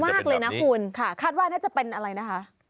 จะเป็นแบบนี้คาดว่าน่าจะเป็นอะไรนะคะ